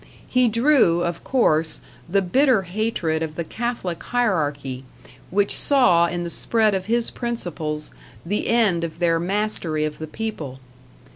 He drew, of course, the bitter hatred of the Catholic hierarchy, which saw in the spread of his principles the end of their mastery of the people.